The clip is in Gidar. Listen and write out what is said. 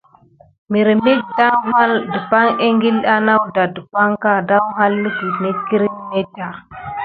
Mirmek daouhalà ékile à nakuda depak daouha lukude net kirini va neɗe.